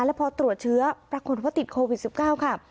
แล้วพอตรวจเชื้อปรากฏว่าติดโควิด๑๙ค่ะ